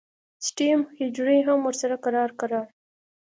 سټیم حجرې هم ورسره کرار کرار